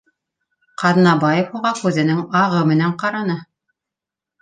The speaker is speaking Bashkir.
Ҡ аҙнабаев уға күҙенең ағы менән ҡараны